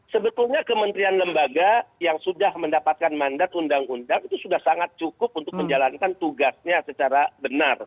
sebetulnya kementerian lembaga yang sudah mendapatkan mandat undang undang itu sudah sangat cukup untuk menjalankan tugasnya secara benar